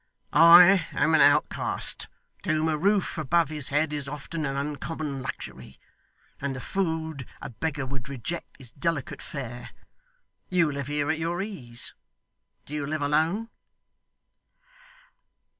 'I am an outcast, to whom a roof above his head is often an uncommon luxury, and the food a beggar would reject is delicate fare. You live here at your ease. Do you live alone?